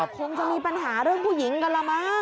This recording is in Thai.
คงจะมีปัญหาเรื่องผู้หญิงกันละมั้ง